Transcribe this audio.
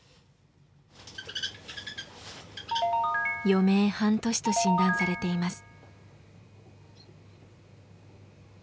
余命半年と診断されています。